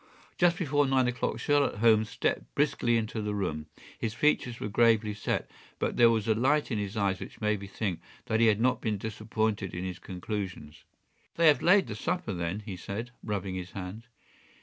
Just before nine o’clock Sherlock Holmes stepped briskly into the room. His features were gravely set, but there was a light in his eye which made me think that he had not been disappointed in his conclusions. “They have laid the supper, then,” he said, rubbing his hands.